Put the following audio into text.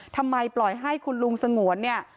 ทำไมปล่อยให้คุณลุงสงวนเนี่ย